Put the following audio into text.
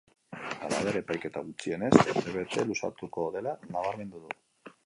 Halaber, epaiketa gutxienez urtebete luzatuko dela nabarmendu du.